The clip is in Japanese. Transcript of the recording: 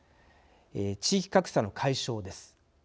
地域格差の解消です。